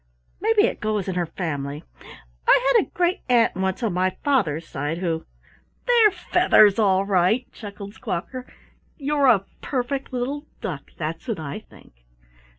Maybe it goes in her family. I had a great aunt once on my father's side who " "They're feathers, all right," chuckled Squawker. "You're a perfect little duck, that's what I think."